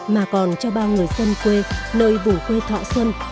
mà còn cho bao người dân quê nơi vùng quê thọ xuân